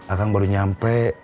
akang baru nyampe